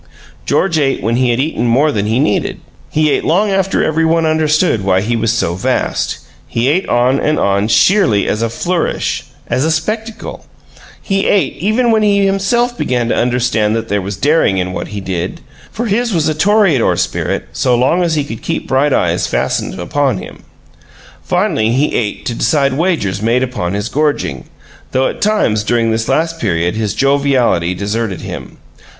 George ate when he had eaten more than he needed; he ate long after every one understood why he was so vast; he ate on and on sheerly as a flourish as a spectacle. He ate even when he himself began to understand that there was daring in what he did, for his was a toreador spirit so long as he could keep bright eyes fastened upon him. Finally, he ate to decide wagers made upon his gorging, though at times during this last period his joviality deserted him.